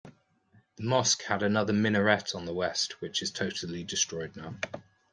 The mosque had another minaret on the west, which is totally destroyed now.